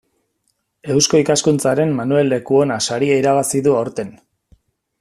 Eusko Ikaskuntzaren Manuel Lekuona saria irabazi du aurten.